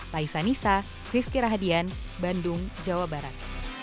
dari indonesia kris kira hadian bandung jawa barat